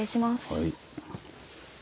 はい。